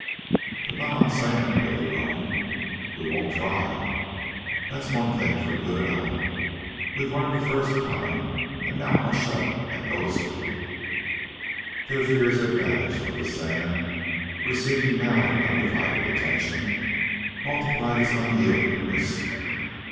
"But not on sand," Billy groaned. "We won't try. That's one thing, for good and all, we've learned the very first time. And now hush up and go to sleep." Their fears had vanished, but the sand, receiving now their undivided attention, multiplied its unyieldingness.